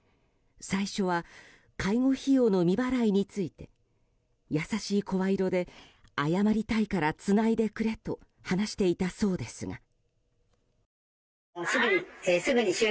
最初は介護費用の未払いについて優しい声色で謝りたいからつないでくれと話していたそうですが。